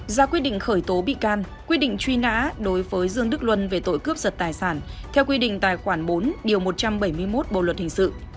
ra quyết định khởi tố bị can quyết định truy nã đối với dương đức luân về tội cướp giật tài sản theo quy định tài khoản bốn điều một trăm bảy mươi một bộ luật hình sự